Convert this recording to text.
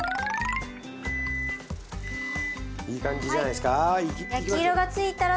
いい感じじゃないですかいきますよ。